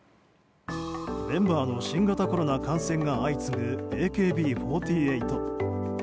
メンバーの新型コロナ感染が相次ぐＡＫＢ４８。